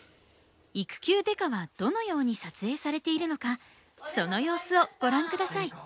「育休刑事」はどのように撮影されているのかその様子をご覧下さい。